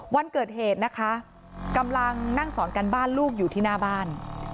วันเกิดเหตุนะคะกำลังนั่งสอนกันบ้านลูกอยู่ที่หน้าบ้าน